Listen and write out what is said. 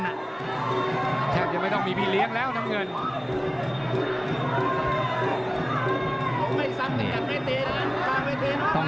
ไม่ซักเป็นแบบมีสู่เทปใช้ได้นะ